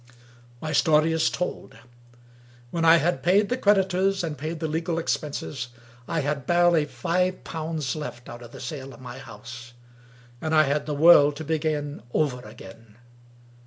My story is told. When I had paid the creditors and paid the legal expenses, I had barely five pounds left out of the sale of my house; and I had the world to begin over again.